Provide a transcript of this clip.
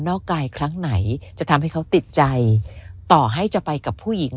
กายครั้งไหนจะทำให้เขาติดใจต่อให้จะไปกับผู้หญิง